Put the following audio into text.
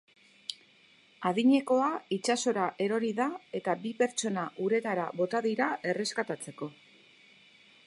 Adinekoa itsasora erori da eta bi pertsona uretara bota dira erreskatatzeko.